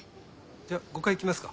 じゃ５階へ行きますか。